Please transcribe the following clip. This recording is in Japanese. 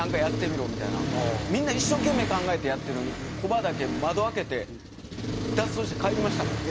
みんな一生懸命考えてやってるのにコバだけ窓開けて脱走して帰りましたからね。